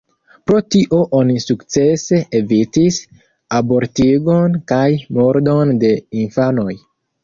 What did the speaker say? Pro tio oni sukcese evitis abortigon kaj murdon de infanoj.